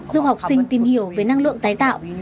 giúp học sinh tìm hiểu về năng lượng tái tạo